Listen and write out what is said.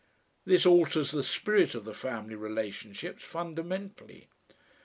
This alters the spirit of the family relationships fundamentally.